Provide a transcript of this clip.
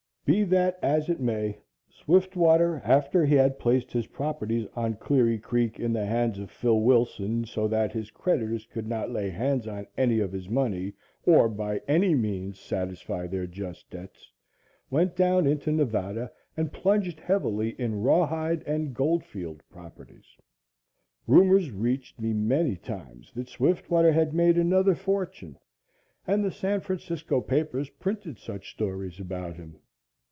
Be that as it may, Swiftwater, after he had placed his properties on Cleary Creek in the hands of Phil Wilson, so that his creditors could not lay hands on any of his money or by any means satisfy their just debts, went down into Nevada and plunged heavily in Rawhide and Goldfield properties. Rumors reached me many times that Swiftwater has made another fortune, and the San Francisco papers printed such stories about him.